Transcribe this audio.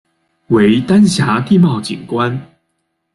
为丹霞地貌景观。